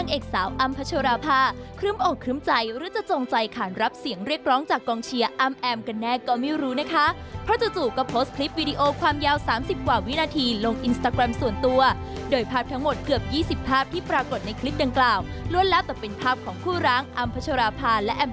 งานนี้ลุ้นขึ้นหรือเปล่าพาคุณผู้ชมไปติดตามพร้อมกันเลยค่ะ